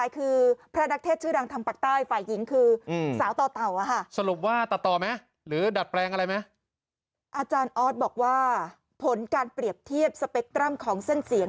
อ๋ออ๋อคือเอาคลิปเสียง